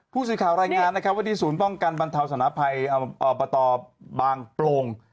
ผู้สูญข่าวรายงานว่าที่ศูนย์ป้องกันบรรเทาสนภัยประตอบางโปรง